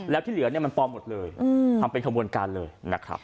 แล้วที่เหลือเนี่ยมันปลอมหมดเลยทำเป็นขบวนการเลยนะครับ